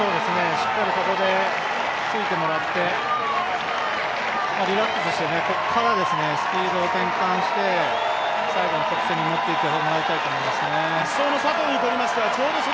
しっかりここでついてもらって、リラックスして、ここからスピードを転換して最後の直線に持っていってもらいたいと思いますね。